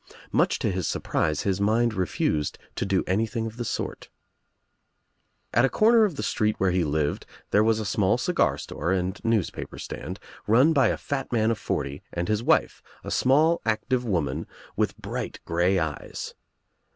Much to his surprise his mind refused to do anything of the sort. At a comer of the street where he lived there was I small cigar store and newspaper stand run by a fat af forty and his wife, a small active woman with 36 THE TRIUMPH OF THE EGG bright grey eyes.